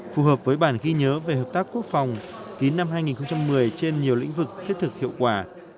phù hợp với bản ghi nhớ về hợp tác quốc phòng ký năm hai nghìn một mươi trên nhiều lĩnh vực thiết thực hiệu quả